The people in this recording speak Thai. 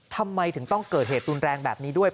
ทำไมถึงต้องเกิดเหตุรุนแรงแบบนี้ด้วย